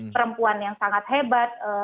perempuan yang sangat hebat